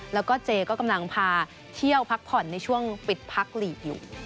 แล้วก็เจก็กำลังพาเที่ยวพักผ่อนในช่วงปิดพักหลีกอยู่